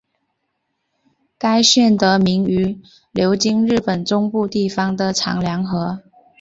该舰得名于流经日本中部地方的长良河。